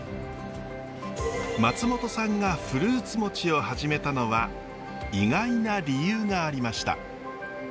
松本さんがフルーツ餅を始めたのは意外な理由がありました。